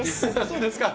そうですか。